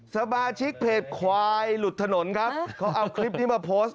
สบาชิกเพจควายหลุดถนนเขาเอาคลิปมาโพสต์